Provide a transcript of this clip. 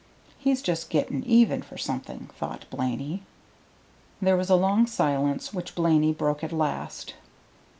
"He's just getting even for something," thought Blaney. There was a long silence, which Blaney broke at last.